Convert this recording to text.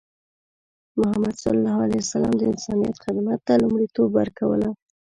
محمد صلى الله عليه وسلم د انسانیت خدمت ته لومړیتوب ورکوله.